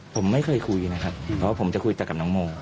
ผมไม่เคยคุยนะครับเพราะว่าผมจะคุยแต่กับน้องโม